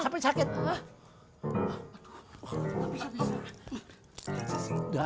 pilih gak nya